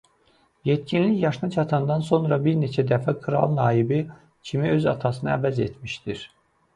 Yetkinlik yaşına çatandan sonra bir neçə dəfə kral naibi kimi öz atasını əvəz etmişdir.